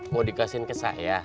mau dikasih ke saya